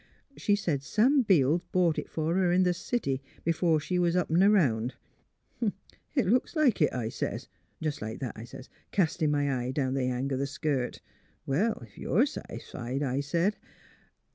She said Sam Beels bought it for her in th' city, b'fore she was up 'n* around. * It looks like it,' I sez, — jes' like that, I sez — castin' my eye down at the hang o' th' skirt. * Well, if you're satisfied,' I sez .